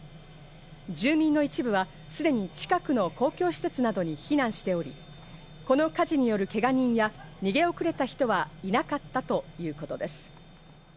住民の一部はすでに近くの公共施設などに避難しており、この火事によるけが人や逃げ遅れた人は、いなかったということです。